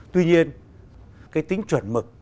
tuy nhiên cái tính chuẩn mực